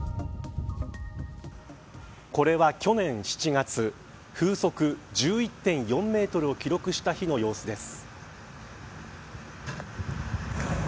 これは、去年７月風速１１．４メートルを記録した日の様子です。